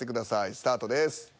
スタートです。